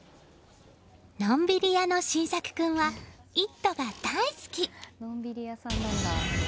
のんびり屋の心咲君は「イット！」が大好き。